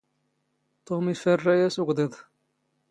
ⵜⵓⵎ ⵉⴼⴼⴰⵔⵔⴰ ⴰⵙ ⵓⴳⴹⵉⴹ.